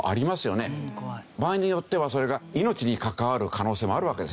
場合によってはそれが命に関わる可能性もあるわけですね。